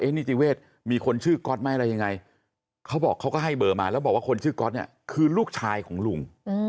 นิติเวศมีคนชื่อก๊อตไหมอะไรยังไงเขาบอกเขาก็ให้เบอร์มาแล้วบอกว่าคนชื่อก๊อตเนี่ยคือลูกชายของลุง